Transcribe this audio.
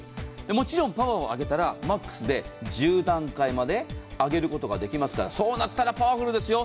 もちろんパワーを上げたらマックスで１０段階まで上げることができますから、そうなったらパワフルですよ。